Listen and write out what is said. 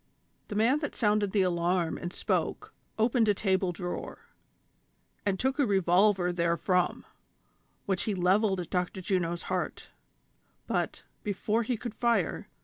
" The man that sounded the alarm and spoke, opened a table drawer, and took a revolver therefrom, which he levelled at Dr. Juno's heart ; but, before he could fire.